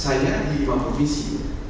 saya di lima provinsi